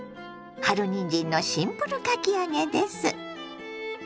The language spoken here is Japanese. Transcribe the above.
春にんじんのシンプルかき揚げです。